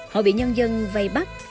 họ bị nhân dân vây bắt